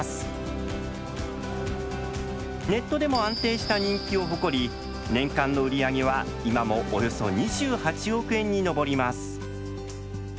ネットでも安定した人気を誇り年間の売り上げは今もおよそ２８億円に上ります。